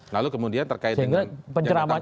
lalu kemudian terkaitnya